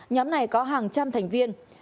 nhóm này có hàng trăm thành viên